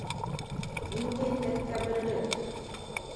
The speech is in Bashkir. Ниндәй тәкәбберлек!